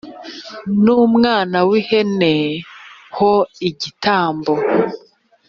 n umwana w ihene ho igitambo